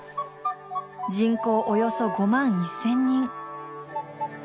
人口およそ５万１０００人。